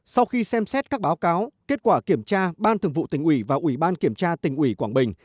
một sau khi xem xét các báo cáo kết quả kiểm tra ban thường vụ tình ủy và ủy ban kiểm tra tình ủy quảng bình